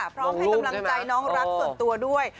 พร้อมให้กำลังใจน้องรักส่วนตัวด้วย